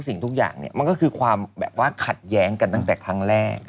สิ่งทุกอย่างเนี่ยมันก็คือความแบบว่าขัดแย้งกันตั้งแต่ครั้งแรก